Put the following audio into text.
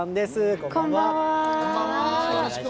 こんばんは。